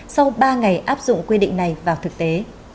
sau ba ngày áp dụng quy định này vào thực tế